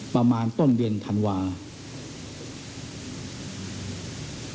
ประมาณต้นเดือนธันวาคม